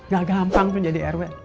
gak gampang tuh jadi rw